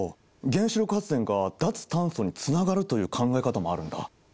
原子力発電が脱炭素につながるという考え方もあるんだ。